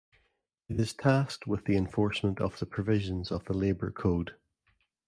It is tasked with the enforcement of the provisions of the Labor Code.